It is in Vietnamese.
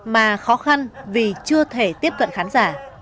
mà khó khăn vì chưa thể tiếp cận khán giả